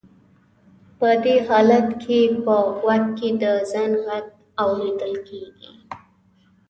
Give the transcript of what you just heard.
په دې حالت کې په غوږ کې د زنګ غږ اورېدل کېږي.